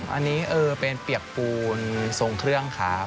อันนี้เป็นเปียกปูนทรงเครื่องครับ